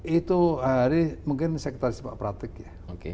itu hari mungkin sekretaris pak pratik ya